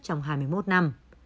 trong hai mươi một năm